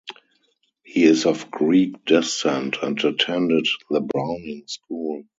He is of Greek descent and attended The Browning School.